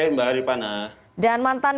mbak haripana dan mantan